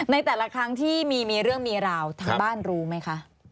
ในแต่ละครั้งที่มีเรื่องมีราวทางบ้านรู้ไหมคะ